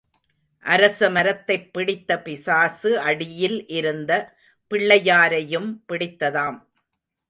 அரச மரத்தைப் பிடித்த பிசாசு அடியில் இருந்த பிள்ளையாரையும் பிடித்ததாம்.